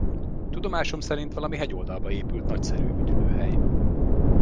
Tudomásom szerint valami hegyoldalba épült nagyszerű üdülőhely.